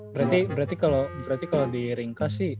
berarti kalo di ringkas sih